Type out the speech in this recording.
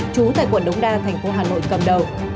trú tại quận đống đa thành phố hà nội cầm đầu